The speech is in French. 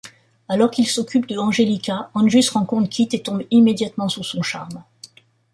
Alors qu’il s’occupe de Angelica, Angus rencontre Kit et tombe immédiatement sous son charme.